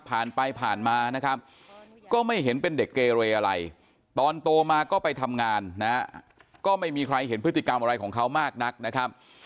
ผ่านไปผ่านมานะครับก็ไม่เห็นเป็นเด็กเกเรอะไรตอนโตมาก็ไปทำงานนะก็ไม่มีใครเห็นพฤติกรรมอะไรของเขามากนักนะครับ